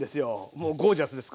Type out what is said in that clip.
もうゴージャスです